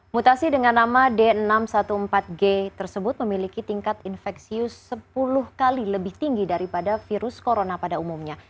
mutasi dengan nama d enam ratus empat belas g tersebut memiliki tingkat infeksius sepuluh kali lebih tinggi daripada virus corona pada umumnya